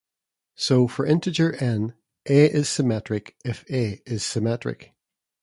So for integer "n", "A" is symmetric if "A" is symmetric.